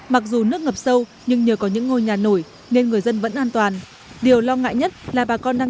mặc dù nước ngập sâu nhưng nhờ có những ngôi nhà nổi nên người dân vẫn an toàn